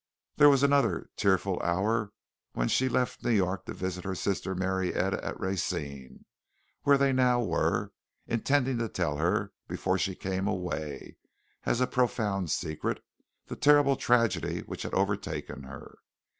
There was another tearful hour when she left New York to visit her sister Marietta at Racine, where they now were, intending to tell her before she came away, as a profound secret, the terrible tragedy which had overtaken her.